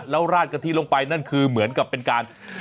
แล้วราดกะทิลงไปนั่นคือเหมือนกับเป็นการ